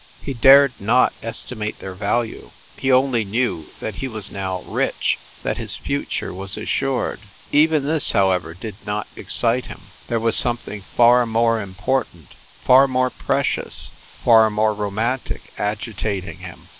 He dared not estimate their value ; he only knew that he was now rich, that his future was assured. Even this, how ever, did not excite him. There was something far more important, far more precious, far more ro mantic, agitating him.